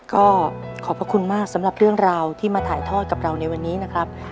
ก็ขอบพระคุณมากสำหรับเรื่องราวที่มาถ่ายทอดกับเราในวันนี้นะครับ